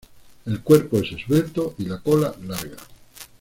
El cuerpo es esbelto y la cola larga.